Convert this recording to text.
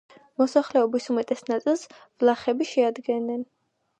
მოსახლეობის უმეტეს ნაწილს ვლახები შეადგენენ.